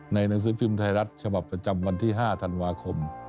หนังสือพิมพ์ไทยรัฐฉบับประจำวันที่๕ธันวาคม